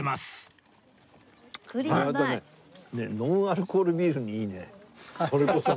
ノンアルコールビールにいいねそれこそね。